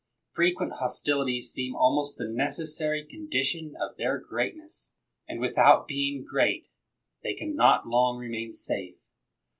Frequent hostilities seem almost the necessary condition of their greatness ; ;ind, without being great, they can not long re main safe.